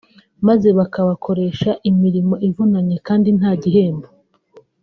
maze bakabakoresha imirimo ivunanye kandi nta gihembo